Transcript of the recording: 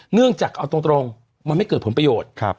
เนื่องจากเอาตรงมันไม่เกิดผลประโยชน์